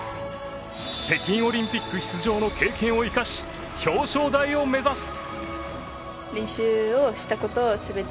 北京オリンピック出場の経験を生かし表彰台を目指す。